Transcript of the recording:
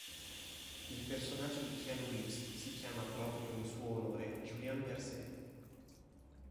Il personaggio di Keanu Reeves si chiama, proprio in suo onore, Julian Mercer.